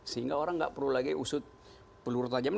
sehingga orang nggak perlu lagi usut peluru tajam